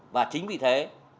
và chính vì thế